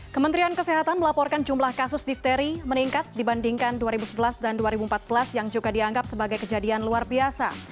kementerian kesehatan melaporkan jumlah kasus difteri meningkat dibandingkan dua ribu sebelas dan dua ribu empat belas yang juga dianggap sebagai kejadian luar biasa